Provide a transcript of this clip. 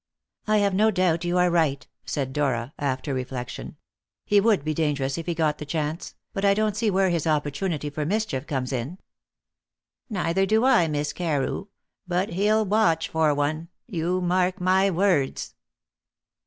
"I have no doubt you are right," said Dora, after reflection. "He would be dangerous if he got the chance, but I don't see where his opportunity for mischief comes in." "Neither do I, Miss Carew; but he'll watch for one, you mark my words."